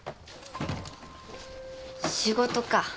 仕事か。